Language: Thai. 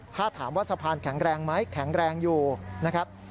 ถ้าถามว่าสะพานแข็งแรงไหมแข็งแรงอยู่นะครับ